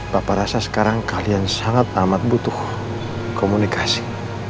bapak rasa sekarang kalian sangat amat butuh komunikasi